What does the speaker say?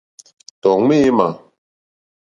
Tɔ̀ ŋměmà.